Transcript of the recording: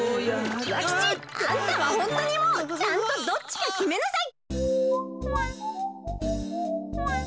ふわ吉あんたはホントにもうちゃんとどっちかきめなさい！